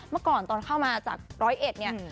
เมื่อก่อนตอนเข้ามาจากร้อยเอ็ดเนี่ย